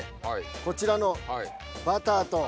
こちらのバターと。